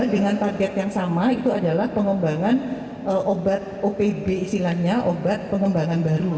dengan target yang sama itu adalah pengembangan obat opb istilahnya obat pengembangan baru